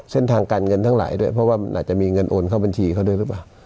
เส้นทางการเงินทั้งหลายด้วยเพราะว่ามันอาจจะมีเงินโอนเข้าบัญชีเขาด้วยหรือเปล่า